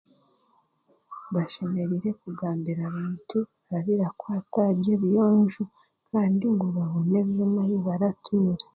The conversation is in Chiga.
Bashemereire kugambira abaantu aha birakwata aha by'obuyonjo kandi ngu baboneze nahi baratuura.